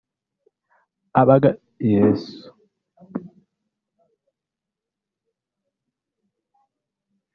umujyanama wa perezida mubya gisirikare